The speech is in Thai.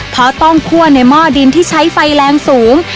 เพราะต้องคั่วในหม้อดินที่ใช้ไฟแรงสูง